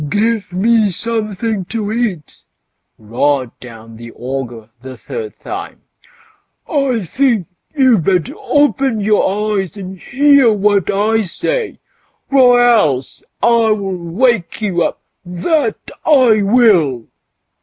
"Give me something to eat!" roared out the ogre the third time." I think you'd better open your ears and hear what I say, or else I'll wake you up, that I will!"